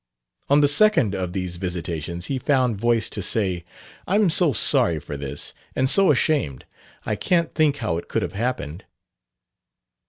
On the second of these visitations he found voice to say: "I'm so sorry for this and so ashamed. I can't think how it could have happened."